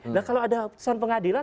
nah kalau ada putusan pengadilan